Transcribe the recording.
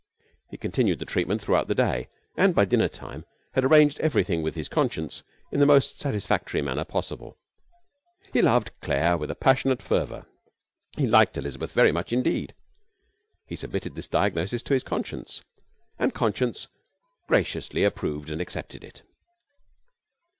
He continued the treatment throughout the day, and by dinner time had arranged everything with his conscience in the most satisfactory manner possible. He loved Claire with a passionate fervour; he liked Elizabeth very much indeed. He submitted this diagnosis to conscience, and conscience graciously approved and accepted it.